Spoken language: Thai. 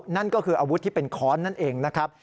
นั่นก็คืออาวุธที่เป็นค้อนนั่นเองนะครับ